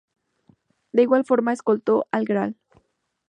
De igual forma escoltó al Gral.